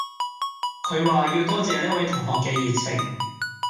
他說要謝謝這位同學的熱